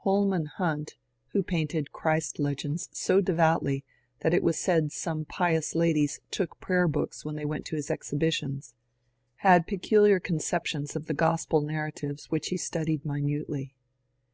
Holman Hunt, who painted Christ legends so devoutly that it was said some pious ladies took prayer books when they went to his exhibitions, had peculiar conceptions of the gospel narratives which he studied minutely.